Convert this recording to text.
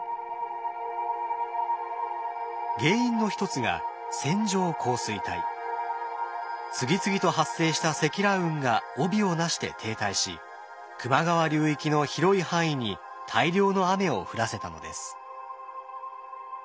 原因の一つが次々と発生した積乱雲が帯をなして停滞し球磨川流域の広い範囲に大量の雨を降らせたのです。